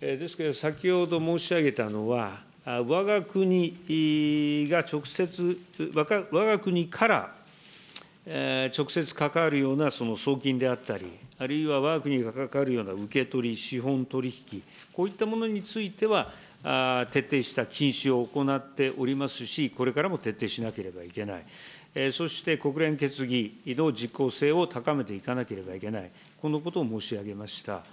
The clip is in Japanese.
ですから、先ほど申し上げたのは、わが国が直接、わが国から直接関わるような送金であったり、あるいはわが国が関わるような受け取り資本取り引き、こういったものについては、徹底した禁止を行っておりますし、これからも徹底しなければいけない、そして国連決議の実効性を高めていかなければいけない、このことを申し上げました。